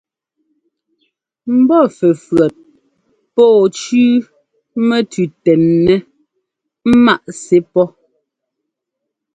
Mbɔ́ fʉ́fʉ́ét pɔ̌ɔ cʉ́ʉ mɛtʉʉ tɛnɛ́ ŋmǎʼ sɛ́ pɔ́.